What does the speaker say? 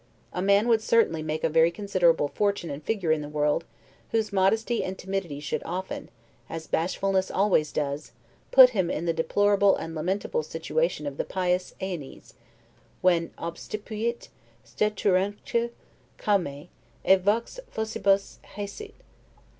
A man would certainly make a very considerable fortune and figure in the world, whose modesty and timidity should often, as bashfulness always does (put him in the deplorable and lamentable situation of the pious AEneas, when 'obstupuit, steteruntque comae; et vox faucibus haesit!).